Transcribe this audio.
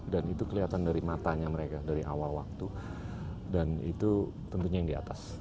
itu kelihatan dari matanya mereka dari awal waktu dan itu tentunya yang di atas